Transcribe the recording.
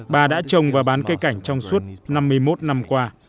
bà đã trồng và bán cây cảnh trong suốt năm mươi một năm qua